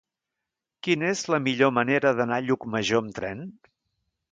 Quina és la millor manera d'anar a Llucmajor amb tren?